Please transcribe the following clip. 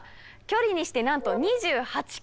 距離にしてなんと２８ｋｍです。